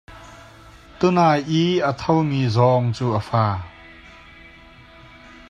Tunai i a tho mi zawng cu a fa.